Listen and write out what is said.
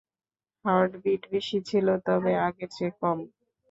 Heartbeat বেশি ছিল, তবে আগের চেয়ে কম।